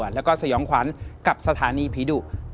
แล้วก็ต้องบอกคุณผู้ชมนั้นจะได้ฟังในการรับชมด้วยนะครับเป็นความเชื่อส่วนบุคคล